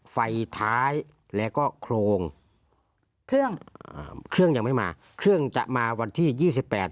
ไฟท้ายแล้วก็โครงเครื่องอ่าเครื่องเครื่องยังไม่มาเครื่องจะมาวันที่ยี่สิบแปด